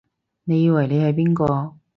你以為你係邊個？